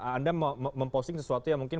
anda memposting sesuatu yang mungkin